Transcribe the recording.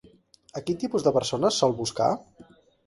A quin tipus de persones sol buscar?